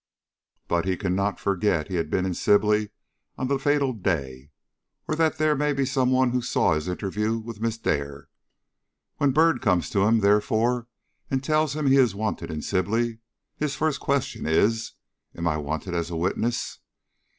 But he cannot forget he had been in Sibley on the fatal day, or that there may be some one who saw his interview with Miss Dare. When Byrd comes to him, therefore, and tells him he is wanted in Sibley, his first question is, 'Am I wanted as a witness?'